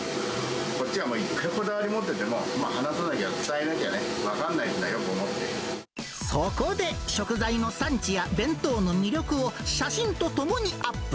こっちがいくらこだわり持ってても、話さなきゃ、伝えなきゃ分かそこで、食材の産地や弁当の魅力を写真とともにアップ。